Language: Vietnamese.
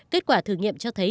kết quả thử nghiệm cho thấy